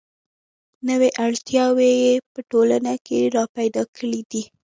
نوې اړتیاوې یې په ټولنه کې را پیدا کړې دي.